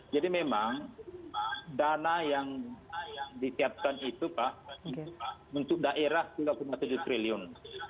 memang dana yang disiapkan itu pak untuk daerah rp tiga tujuh triliun